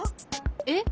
えっ？